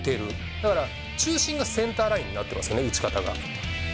だから中心がセンターラインになってますよね、打ち方が。